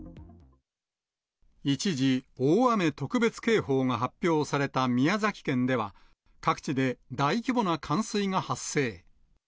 一時、大雨特別警報が発表された宮崎県では、各地で大規模な冠水が発生。